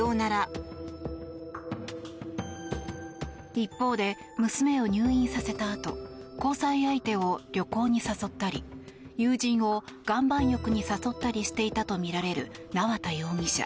一方で娘を入院させたあと交際相手を旅行に誘ったり友人を岩盤浴に誘ったりしていたとみられる縄田容疑者。